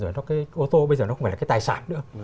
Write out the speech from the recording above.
ô tô bây giờ nó không phải là cái tài sản nữa